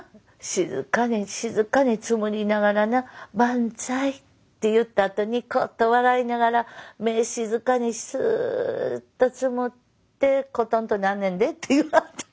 静かに静かにつむりながらな「万歳」って言った後ニコッと笑いながら目静かにすっとつむってコトンとなんねんでって言われて。